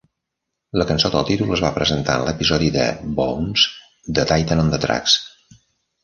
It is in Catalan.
La cançó del títol es va presentar en l'episodi de "Bones" "The Titan on the Tracks".